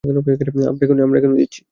আমরা এখনই দিচ্ছি!